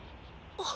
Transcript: あっ！？